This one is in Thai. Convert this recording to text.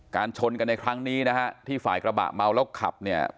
ชนกันในครั้งนี้นะฮะที่ฝ่ายกระบะเมาแล้วขับเนี่ย